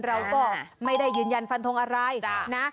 เราก็ไม่ได้ยืนยันฟันทงอะไรนะ